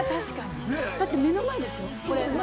だって目の前でしょ？